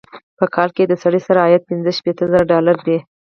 په کال کې یې د سړي سر عاید پنځه شپيته زره ډالره دی.